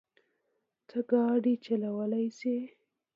ته ګاډی چلولی شې؟